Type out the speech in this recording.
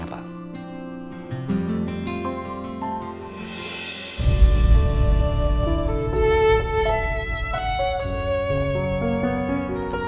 aku merindukanmu mas